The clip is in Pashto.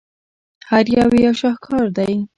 هر یو یې یو شاهکار دی.